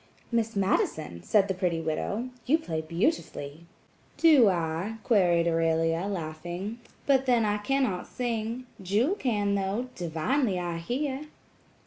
"Miss Madison," said the pretty widow, "you play beautifully." "Do I?" gueried Aurelia, laughing, "but then I cannot sing, Jewel can, though–divinely, I hear."